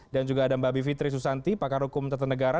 dan juga ada mbak bivitri susanti pakar hukum tentenegara